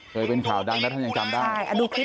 เคยเป็นข่าวดังแล้วเธอยังจำได้